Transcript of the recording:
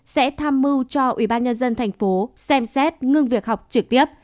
sẽ tham mưu cho ubnd tp xem xét ngương việc học trực tiếp